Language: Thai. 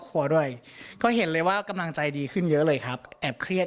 ครัวด้วยก็เห็นเลยว่ากำลังใจดีขึ้นเยอะเลยครับแอบเครียด